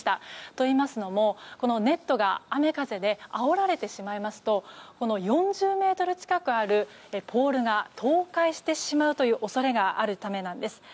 といいますのも、このネットが雨風であおられてしまいますと４０ｍ近くあるポールが倒壊してしまう恐れがあるためなんです。